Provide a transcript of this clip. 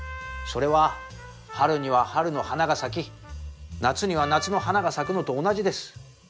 それは春には春の花が咲き夏には夏の花が咲くのと同じです。